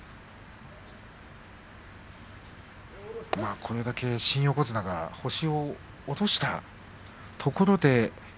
これだけ新横綱が星を落としたところで。